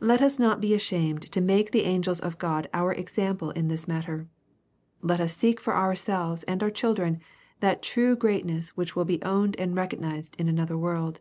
Let us not be ashamed to make the angels of God our example in this matter. Let us seek for ourselves and our children that true greatness which will be owned and recognized in another world.